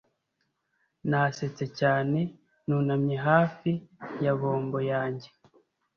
Nasetse cyane Nunamye hafi ya bombo yanjye.